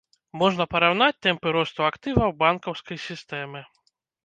Можна параўнаць тэмпы росту актываў банкаўскай сістэмы.